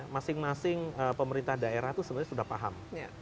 masing masing pemerintah daerah itu sebenarnya sudah paham